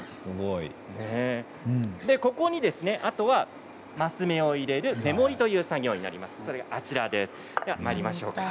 ここに、あとは升目を入れる目盛りという作業になります。